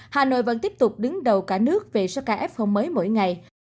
hà nội vẫn tiếp tục đứng đầu cả nước về số ca f mới mỗi ngày